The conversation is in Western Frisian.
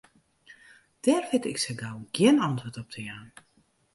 Dêr wit ik sa gau gjin antwurd op te jaan.